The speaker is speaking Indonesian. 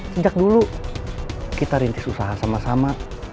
sejak dulu kita rintis usaha sama sama